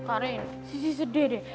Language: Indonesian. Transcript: karin sisi sedih deh